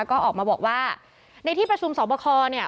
ก็ออกมาบอกว่าในที่ประชุมสอบคอเนี่ย